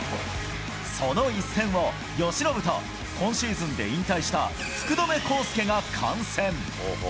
その一戦を、由伸と、今シーズンで引退した福留孝介が観戦。